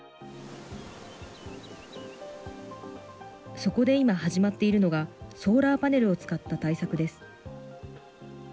そこで今、始まっているのがソーラーパネルを使った対策です。